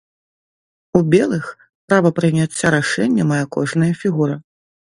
У белых права прыняцця рашэння мае кожная фігура.